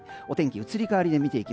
お天気の移り変わりです。